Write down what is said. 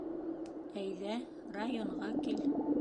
Әйҙә, районға кил.